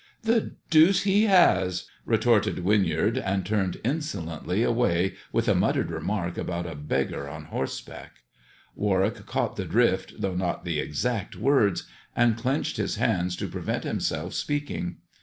" The deuce he has !" retorted Winyard, and turned insolently away with a muttered remark about a beggar on horseback. Warwick caught the drift though not the exact THE dwarf's chamber 113 words, and clenched his hands to prevent himself speaking.